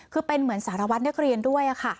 คือเป็นเหมือนสารวัตรนักเรียนด้วยค่ะ